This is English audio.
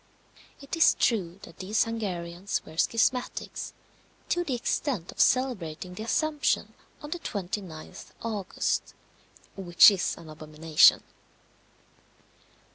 It is true that these Hungarians were schismatics, to the extent of celebrating the Assumption on the 29th August, which is an abomination.